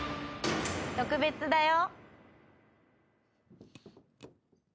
特別だよ。